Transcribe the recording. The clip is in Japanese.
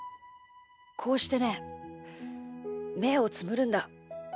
こうしてね、めをつむるんだ。